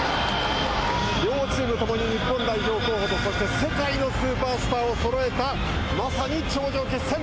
両チーム共に日本代表候補とそして、世界のスーパースターをそろえたまさに頂上決戦。